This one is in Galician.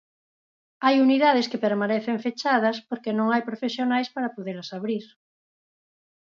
Hai unidades que permanecen fechadas porque non hai profesionais para podelas abrir.